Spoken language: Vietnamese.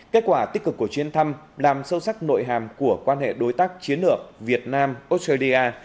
kết quả tích cực của chuyến thăm làm sâu sắc nội hàm của quan hệ đối tác chiến lược việt nam australia